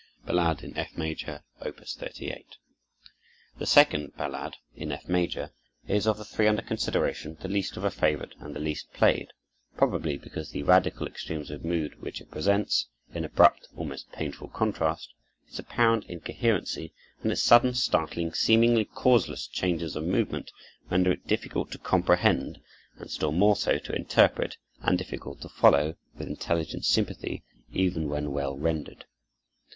Ballade in F Major, Op. 38 The second ballade, in F major, is, of the three under consideration, the least of a favorite and the least played; probably because the radical extremes of mood which it presents, in abrupt, almost painful contrast, its apparent incoherency, and its sudden, startling, seemingly causeless changes of movement, render it difficult to comprehend and still more so to interpret, and difficult to follow with intelligent sympathy even when well rendered.